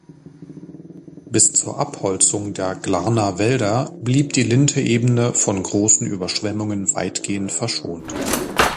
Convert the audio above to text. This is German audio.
Bis zur Abholzung der Glarner Wälder blieb die Linthebene von grossen Überschwemmungen weitgehend verschont.